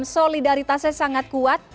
solidaritasnya sangat kuat